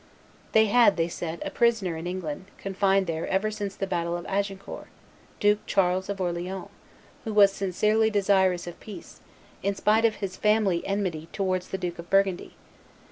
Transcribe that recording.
They had, they said, a prisoner in England, confined there ever since the battle of Agincourt, Duke Charles of Orleans, who was sincerely desirous of peace, in spite of his family enmity towards the Duke of Burgundy.